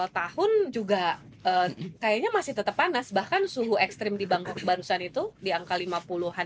pun juga kayaknya masih tetap panas bahkan suhu ekstrim di bangkok barusan itu diangka lima puluhan